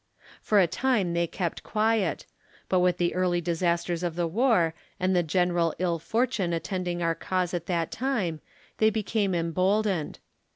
For a time they kept quiet, but with the early disasters of the war, and the general ill fortune attending our cause at that time, they became emboldened.